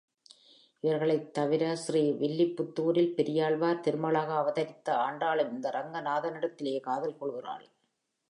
இவர்களைத் தலிர, ஸ்ரீ வில்லிப்புத்தூரில் பெரியாழ்வார் திருமகளாக அவதரித்த ஆண்டாளும் இந்த ரங்கநாதனிடத்திலே காதல் கொள்கிறாள்.